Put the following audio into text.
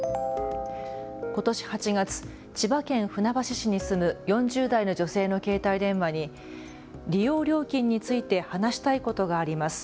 ことし８月、千葉県船橋市に住む４０代の女性の携帯電話に利用料金について話したいことがあります。